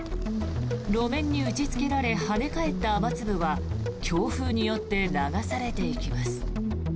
路面に打ちつけられ跳ね返った雨粒は強風によって流されていきます。